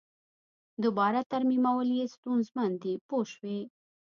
دوباره ترمیمول یې ستونزمن دي پوه شوې!.